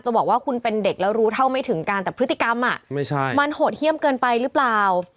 บอกว่าคุณเป็นเด็กแล้วรู้เท่าไม่ถึงการแต่พฤติกรรมมันโหดเยี่ยมเกินไปหรือเปล่า